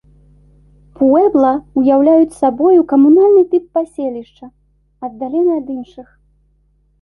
Пуэбла ўяўляюць сабою камунальны тып паселішча, аддалены ад іншых.